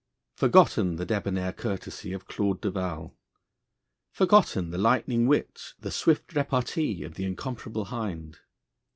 Forgotten the debonair courtesy of Claude Duval! Forgotten the lightning wit, the swift repartee of the incomparable Hind!